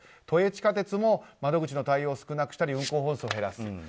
都営地下鉄も窓口の対応を少なくしたり運行本数を減らす。